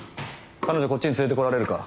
彼女こっちに連れて来られるか？